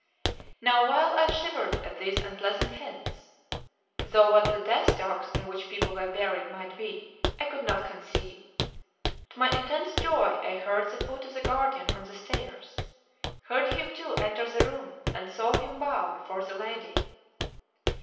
Now while I shivered at these unpleasant hints though what the "death dogs" in which people were buried might be, I could not conceive to my intense joy I heard the foot of the Guardian on the stairs, heard him too enter the room and saw him bow before the lady.